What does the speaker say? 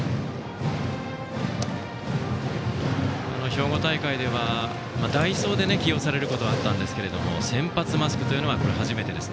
兵庫大会では代走で起用されることがあったんですけど先発マスクというのは初めてです。